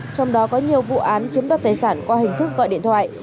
trong đó có nhiều vụ án chiếm đoạt tài sản qua hình thức gọi điện thoại